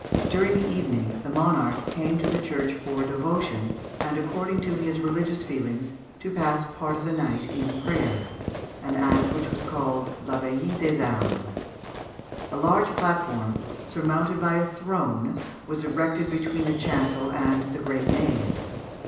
During the evening the monarch came to the church for devotion, and "according to his religions feelings, to pass part of the night in prayer," an act which was called la veillée des armes. A large platform, surmounted by a throne, was erected between the chancel and the great nave.